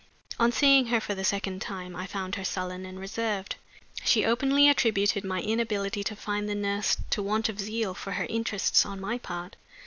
On seeing her for the second time, I found her sullen and reserved. She openly attributed my inability to find the nurse to want of zeal for her interests on my part.